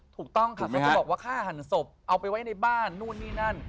ถูกต้องค่ะเขาจะบอกว่าฆ่าหันศพเอาไปไว้ในบ้านนู่นนี่นั่น